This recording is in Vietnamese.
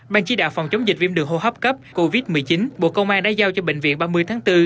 ban chỉ đạo phòng chống dịch viêm đường hô hấp cấp covid một mươi chín bộ công an đã giao cho bệnh viện ba mươi tháng bốn